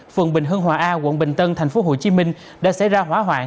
vườn bình hưng hoà a quận bình tân thành phố hồ chí minh đã xảy ra hỏa hoạng